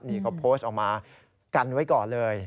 นี่เขาโพสต์ออกมากันไว้ก่อนเลย